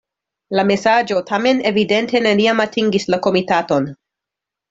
La mesaĝo tamen evidente neniam atingis la komitaton.